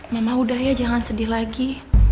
ma mama udah ya jangan sedih lagi